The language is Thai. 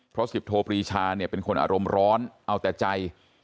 เพราะสิบโทปรีชาเนี่ยเป็นคนอารมณ์ร้อนเอาแต่ใจ